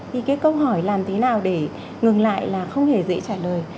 thì cái câu hỏi làm thế nào để ngừng lại là không hề dễ trả lời